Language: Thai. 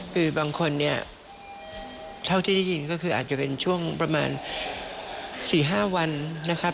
คือบางคนเนี่ยเท่าที่ได้ยินก็คืออาจจะเป็นช่วงประมาณ๔๕วันนะครับ